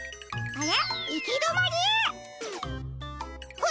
あれ！？